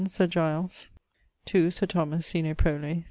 Sir Giles. 2. Sir Thomas, (sine prole).